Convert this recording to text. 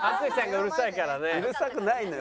うるさくないのよ